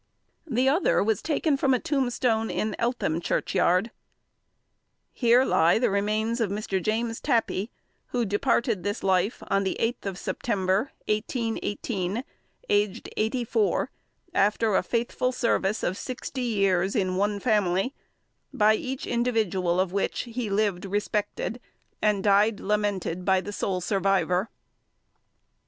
The other was taken from a tombstone in Eltham churchyard: "Here lie the remains of Mr. James Tappy, who departed this life on the 8th of September 1818, aged 84, after a faithful service of 60 years in one family; by each individual of which he lived respected, and died lamented by the sole survivor."